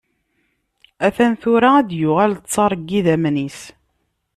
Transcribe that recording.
A-t-an tura, ad d-yuɣal ttaṛ n idammen-is.